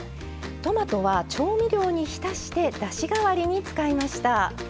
トマトは調味料に浸してだしがわりに使いました。